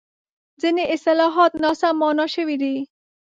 ځینې اصطلاحات ناسم مانا شوي دي.